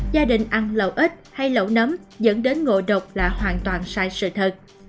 gia đình ăn lầu ít hay lẩu nấm dẫn đến ngộ độc là hoàn toàn sai sự thật